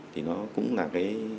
thì nó cũng là cái